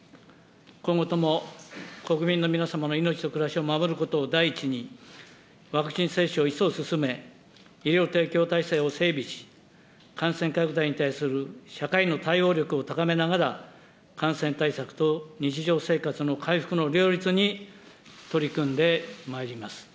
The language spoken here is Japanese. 今後とも国民の皆様の命と暮らしを守ることを第一に、ワクチン接種を一層進め、医療提供体制を整備し、感染拡大に対する社会の対応力を高めながら、感染対策と日常生活の回復の両立に取り組んでまいります。